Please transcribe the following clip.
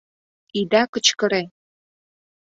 Ида кычкыре!..